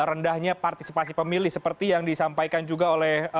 rendahnya partisipasi pemilih seperti yang disampaikan juga oleh